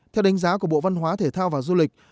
theo đánh giá của bộ văn hóa thể thao và du lịch